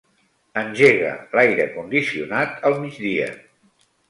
Engega l'aire condicionat al migdia.